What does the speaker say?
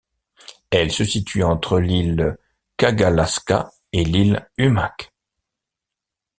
Elle se situe entre l'île Kagalaska et l'île Umak.